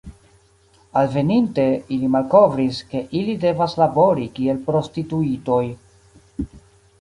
Alveninte, ili malkovris, ke ili devas labori kiel prostituitoj.